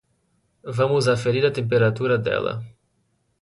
Vamos aferir a temperatura dela.